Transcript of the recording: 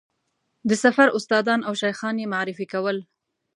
د سفر استادان او شیخان یې معرفي کول.